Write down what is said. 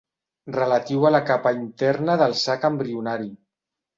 Relatiu a la capa interna del sac embrionari.